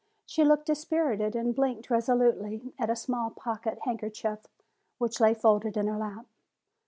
She looked dispirited and blinked resolutely at a small pocket handkerchief which lay folded in her lap.